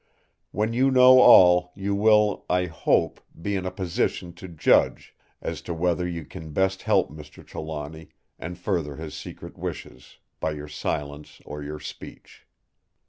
When you know all, you will, I hope, be in a position to judge as to whether you can best help Mr. Trelawny, and further his secret wishes, by your silence or your speech."